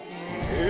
え！